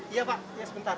iya pak iya sebentar